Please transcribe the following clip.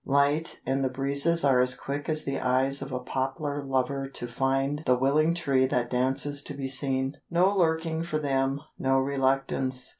Light and the breezes are as quick as the eyes of a poplar lover to find the willing tree that dances to be seen. No lurking for them, no reluctance.